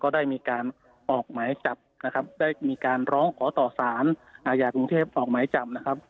ได้มีการร้องขอต่อสารอาญาจรุงเทพฯออกไหมจำ